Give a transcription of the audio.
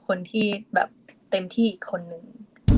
คนที่แบบเต็มที่อีกคนนึง